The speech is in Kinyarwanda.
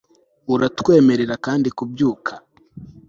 Uratwemerera kandi kubyuka